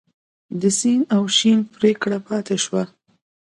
د سین او شین پیکړه پاتې شوه.